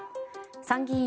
参議院